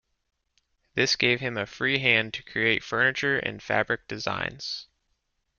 This gave him a free hand to create furniture and fabric designs.